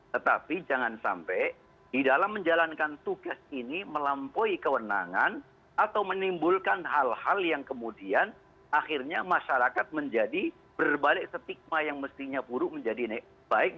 tetapi jangan sampai di dalam menjalankan tugas ini melampaui kewenangan atau menimbulkan hal hal yang kemudian akhirnya masyarakat menjadi berbalik stigma yang mestinya buruk menjadi baik